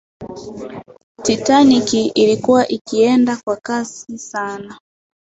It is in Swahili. titanic ilikuwa ikienda kwa kasi sana